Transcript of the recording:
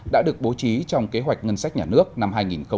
đã được bố trí trong kế hoạch ngân sách nhà nước năm hai nghìn hai mươi